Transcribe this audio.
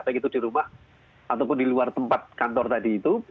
baik itu di rumah ataupun di luar tempat kantor tadi itu